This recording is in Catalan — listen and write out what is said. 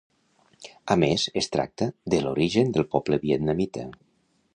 A més, es tracta de l'origen del poble vietnamita.